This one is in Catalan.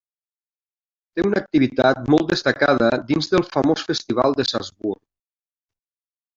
Té una activitat molt destacada dins del famós Festival de Salzburg.